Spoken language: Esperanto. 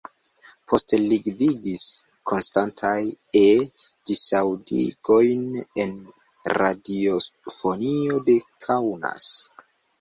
Poste li gvidis konstantajn E-disaŭdigojn en radiofonio de Kaunas.